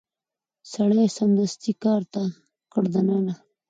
سړي سمدستي کلا ته کړ دننه